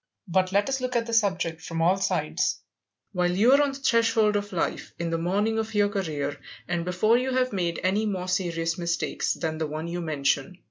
But let us look at the subject from all sides, while you are on the threshold of life, in the morning of your career, and before you have made any more serious mistakes than the one you mention.